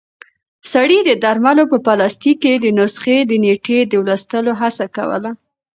سړی د درملو په پلاستیک کې د نسخې د نیټې د لوستلو هڅه کوله.